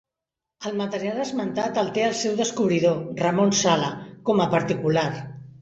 El material esmentat el té el seu descobridor, Ramon Sala, com a particular.